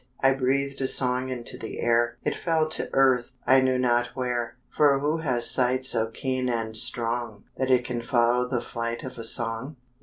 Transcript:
I breathed a song into the air, It fell to earth, I knew not where; For who has sight so keen and strong, That it can follow the flight of song?